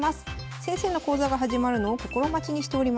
先生の講座が始まるのを心待ちにしておりました。